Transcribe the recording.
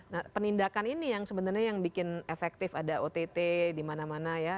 nah penindakan ini yang sebenarnya yang bikin efektif ada ott di mana mana ya